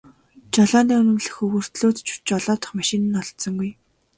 Жолооны үнэмлэх өвөртлөөд ч жолоодох машин нь олдсонгүй.